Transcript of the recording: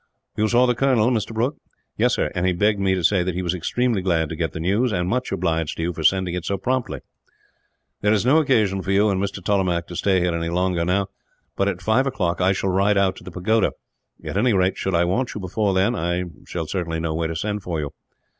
"You saw the colonel, Mr. Brooke?" "Yes, sir; and he begged me to say that he was extremely glad to get the news, and much obliged to you for sending it so promptly." "There is no occasion for you and Mr. Tollemache to stay here any longer, now; but at five o'clock I shall ride out to the pagoda. At any rate, should I want you before then, I shall know where to send for you."